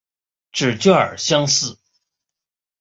指券相似。